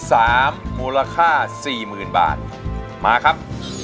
อย่างนี้เลยหรอกครับ